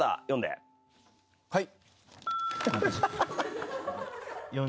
はい。